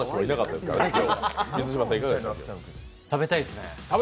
食べたいっすね。